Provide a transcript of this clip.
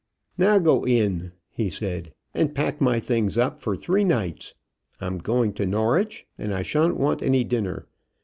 "Now go in," he said, "and pack my things up for three nights. I'm going to Norwich, and I shan't want any dinner.